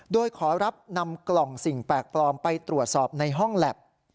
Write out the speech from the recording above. โดยขอรับนำกล่องสิ่งแปลกปลอมไปตรวจสอบในห้องแล็บ